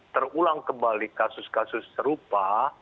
terulang kembali kasus kasus serupa